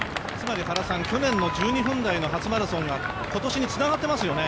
１２分台の初マラソンが今年につながっていますよね。